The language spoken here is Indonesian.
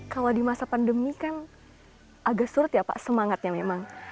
kalau di masa pandemi kan agak surut ya pak semangatnya memang